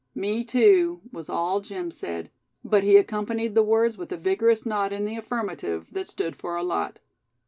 "Me tew," was all Jim said; but he accompanied the words with a vigorous nod in the affirmative, that stood for a lot.